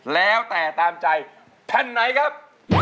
แล้วแต่ตามใจแผ่นไหนครับ